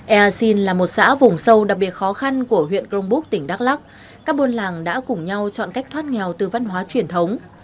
eaxin là một xã vùng sâu đặc biệt khó khăn của huyện grongbuk tỉnh đắk lắc các bôn làng đã cùng nhau chọn cách thoát nghèo từ văn hóa truyền thống